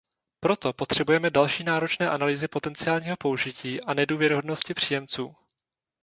Proto potřebujeme další náročné analýzy potenciálního použití a nedůvěryhodnosti příjemců.